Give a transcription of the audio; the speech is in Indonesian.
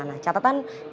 nah catatan yang kedua